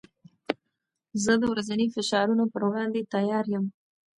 زه د ورځني فشارونو پر وړاندې تیار یم.